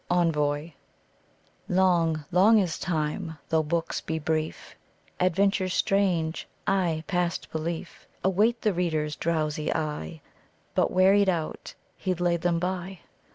] ENVOY "Long long is Time, though books be brief: Adventures strange ay, past belief Await the Reader's drowsy eye; But, wearied out, he'd lay them by.